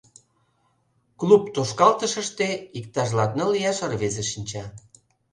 Клуб тошкалтыште иктаж латныл ияш рвезе шинча.